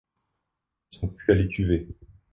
Ils sont cuits à l'étuvée.